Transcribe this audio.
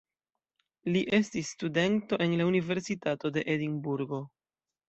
Li estis studento en la universitato de Edinburgo.